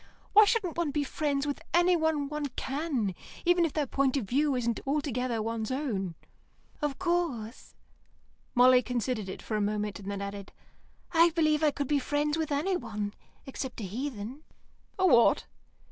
Why shouldn't one be friends with anyone one can, even if their point of view isn't altogether one's own?" "Of course." Molly considered it for a moment, and added, "I believe I could be friends with anyone, except a heathen." "A what?"